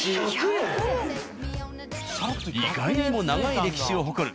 意外にも長い歴史を誇る。